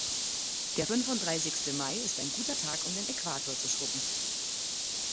Der fünfunddreißigste Mai ist ein guter Tag, um den Äquator zu schrubben.